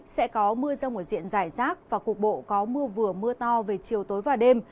sẽ có mưa rông ở diện giải rác và cục bộ có mưa vừa mưa to về chiều tối và đêm